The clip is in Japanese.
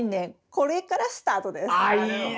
これからスタートです。